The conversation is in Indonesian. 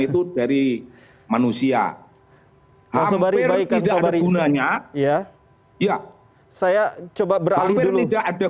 itu dari manusia langsung bari baik baik tidak ada gunanya ya ya saya coba berani tidak ada